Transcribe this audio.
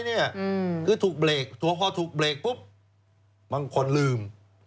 เนี้ยอืมคือถูกเบรกทะวะท้อถูกเบรกพบบางคนลืม